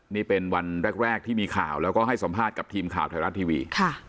นี่เป็นวันแรกที่มีข่าวแล้วก็ให้สัมภาษณ์กับทีมข่าวไทยรัฐทีวี